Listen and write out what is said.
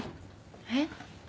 えっ？